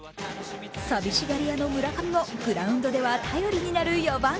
寂しがり屋の村上もグラウンドでは頼りになる４番。